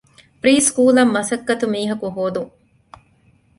ޕްރީ ސްކޫލަށް މަސައްކަތު މީހަކު ހޯދުން